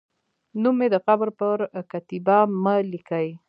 نوم مې د قبر پر کتیبه مه لیکئ